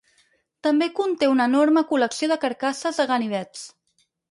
També conté una enorme col·lecció de carcasses de ganivets.